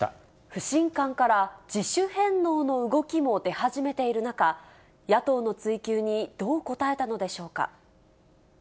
不信感から、自主返納の動きも出始めている中、野党の追及にどう答えたのでしょうか。